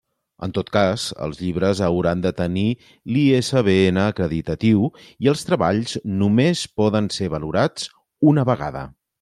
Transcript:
En tot cas els llibres hauran de tenir l'ISBN acreditatiu, i els treballs només poden ser valorats una vegada.